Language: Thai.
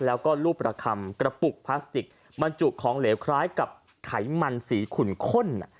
แล้วก็รูปประคำกระปุกพลาสติกบรรจุของเหลวคล้ายกับไขมันสีขุนข้น